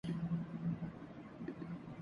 میریں مامیںں نیں مجھیں یہ گھڑی دی تھی وہاں